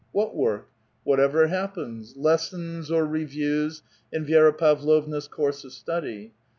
What work ? Whatever happens — lessons or reviews, in Vi^ra Pavlovna's course of study.